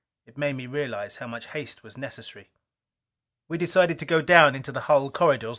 It made me realize how much haste was necessary. We decided to go down into the hull corridors.